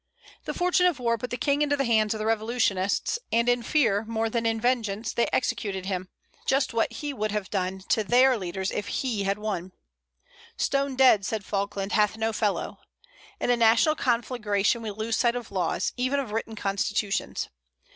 The fortune of war put the King into the hands of the revolutionists; and in fear, more than in vengeance, they executed him, just what he would have done to their leaders if he had won. "Stone dead," said Falkland, "hath no fellow." In a national conflagration we lose sight of laws, even of written constitutions.